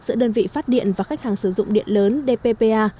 giữa đơn vị phát điện và khách hàng sử dụng điện lớn dppa